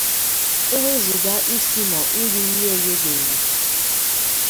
e wezuga isi na iri nri egheghị eghe